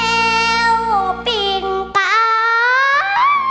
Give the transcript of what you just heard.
แก้วปิ้งตาย